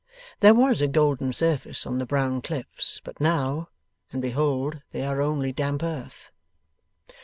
There was a golden surface on the brown cliffs but now, and behold they are only damp earth.